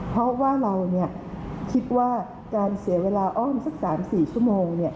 เพราะว่าเราคิดว่าการเสียเวลาอ้อมสัก๓๔ชั่วโมง